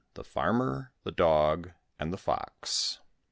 THE FARMER, THE DOG, AND THE FOX.